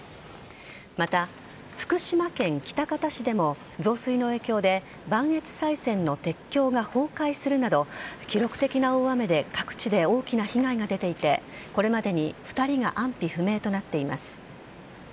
また、福島県喜多方市でも増水の影響で磐越西線の鉄橋が崩壊するなど記録的な大雨で各地で大きな被害が出ていてこれまでに２人が安否不明となっています。